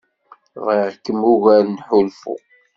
Bɣiɣ-kem ugar n uḥulfu.